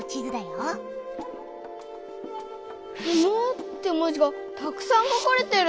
「不毛」って文字がたくさん書かれてる。